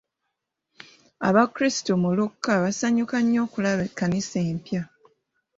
Abakrisitu mu muluka baasanyuka okulaba ekkanisa empya.